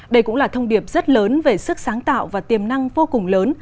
đây cũng là thông điệp rất lớn về sức sáng tạo và tiềm năng vô cùng lớn